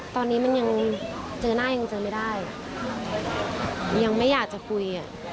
ตอนนี้มันยังเจอหน้ายังเจอไม่ได้ยังไม่อยากจะคุยอ่ะ